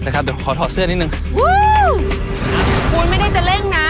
เดี๋ยวครับเดี๋ยวขอถอดเสื้อนิดหนึ่งฮู้คุณไม่ได้จะเร่งน่ะ